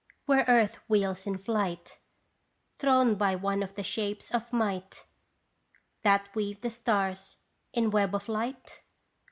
Where Earth wheels in flight, Thrown by one of the shapes of might That weave the stars in web of light?